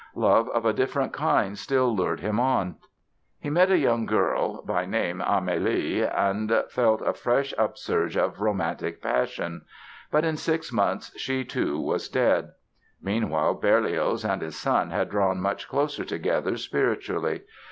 Love of a different kind still lured him on. He met a young girl, by name Amélie and felt a fresh upsurge of romantic passion. But in six months she, too, was dead. Meanwhile Berlioz and his son had drawn much closer together, spiritually.